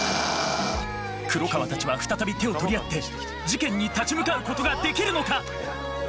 黒川たちは再び手を取り合って事件に立ち向かうことができるのか。